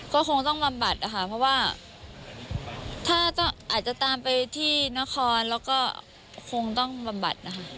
ก็คงต้องบำบัดนะคะเพราะว่าถ้าอาจจะตามไปที่นครแล้วก็คงต้องบำบัดนะคะ